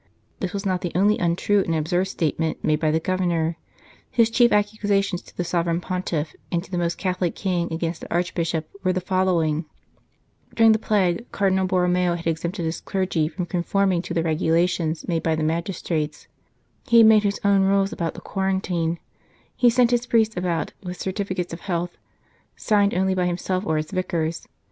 This was not the only untrue and absurd state ment made by the Governor ; his chief accusations to the Sovereign Pontiff and to the Most Catholic King against the Archbishop were the follow ing : During the plague Cardinal Borromeo had exempted his clergy from conforming to the 158 " Not Peace, but the Sword " regulations made by the magistrates ; he had made his own rules anent the quarantine ; he sent his priests about with certificates of health signed only by himself or his vicars.